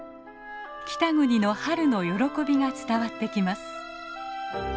北国の春の喜びが伝わってきます。